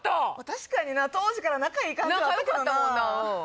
確かにな当時から仲いい感じは仲良かったもんなえっ